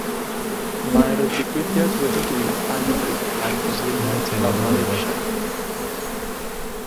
Mae'r digwyddiad wedi dwyn anfri ar Fwslimiaid ym Malaysia.